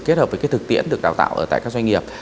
kết hợp với thực tiễn được đào tạo ở tại các doanh nghiệp